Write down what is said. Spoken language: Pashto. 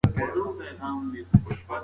حبشي ځوان د مدینې په تاریخ کې یو اتل پاتې شو.